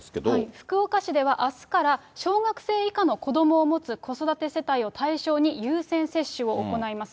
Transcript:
福岡市ではあすから小学生以下の子どもを持つ子育て世代を対象に優先接種を行います。